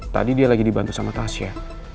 tadi dia lagi dibantu sama tasya